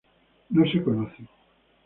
No se conocen.